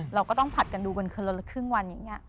เราก็ต้องผัดกันดูกันคนละครึ่งวันอย่างนี้